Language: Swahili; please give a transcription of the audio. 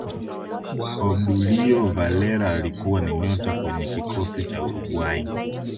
obdulio valera alikuwa ni nyota kwenye kikosi cha Uruguay